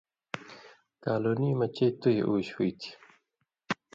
کالُونی مہ چئ تُوہیۡ اُوش ہُوئ تھی